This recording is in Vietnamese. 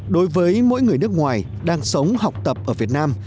đối với mỗi người nước ngoài đang sống học tập ở việt nam